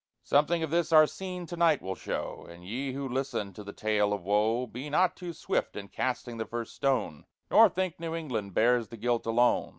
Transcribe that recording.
Something of this our scene to night will show; And ye who listen to the Tale of Woe, Be not too swift in casting the first stone, Nor think New England bears the guilt alone.